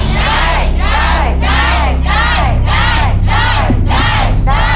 ได้ครับ